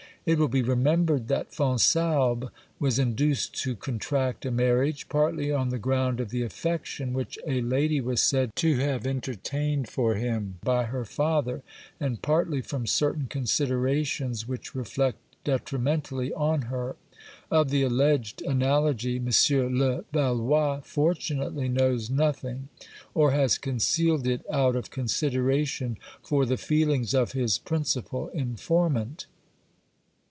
It will be remembered that Fonsalbe was induced to contract a marriage, partly on the ground of the affection which a lady was said to have entertained for him by her father and partly from certain considerations which reflect detrimentally on her. Of the alleged analogy M. Levallois fortunately knows nothing, or has concealed it out of consideration for the feelings of his principal informant.